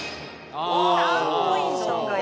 ３ポイント。